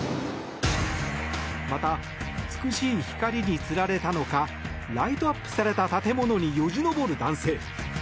また、美しい光に釣られたのかライトアップされた建物によじ登る男性。